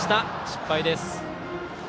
失敗です。